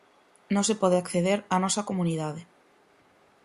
Non se pode acceder á nosa comunidade.